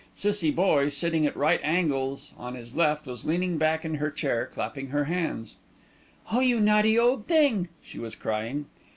Cissie Boye, sitting at right angles on his left, was leaning back in her chair clapping her hands. "Oh, you naughty old thing!" she was crying.